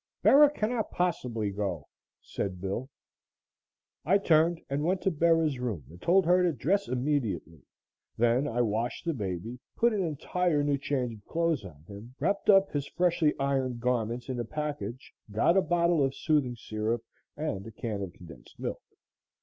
"Bera cannot possibly go," said Bill. I turned and went to Bera's room and told her to dress immediately. Then I washed the baby, put an entire new change of clothes on him, wrapped up his freshly ironed garments in a package, got a bottle of soothing syrup and a can of condensed milk.